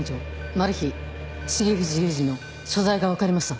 マルヒ重藤雄二の所在が分かりました。